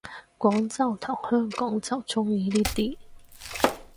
廣州同香港就鍾意呢啲